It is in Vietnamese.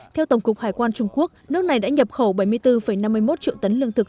theo tổng cục hải quan trung quốc nước này đã nhập khẩu bảy mươi bốn năm mươi một triệu tấn lương thực